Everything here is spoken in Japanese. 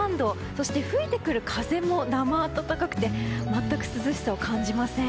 そして吹いてくる風も生温かくて全く涼しさを感じません。